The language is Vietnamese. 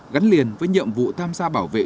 gắn liền với nhiệm vụ tham gia bảo vệ